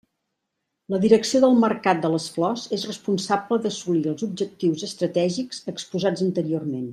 La Direcció del Mercat de les Flors és responsable d'assolir els objectius estratègics exposats anteriorment.